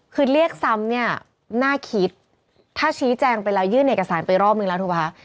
คือเรียกซ้ำเนี่ยน่าคิดถ้าชี้แจงไปแล้วยื่นเอกสารไปรอบนึงแล้วถูกป่ะคะ